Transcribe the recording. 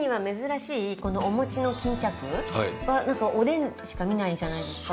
このお餅の巾着はおでんでしか見ないじゃないですか。